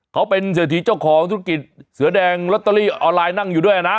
เขาเป็นเศรษฐีเจ้าของธุรกิจเสือแดงลอตเตอรี่ออนไลน์นั่งอยู่ด้วยนะ